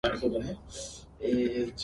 星空凛